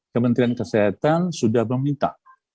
kementerian kesehatan sudah meminta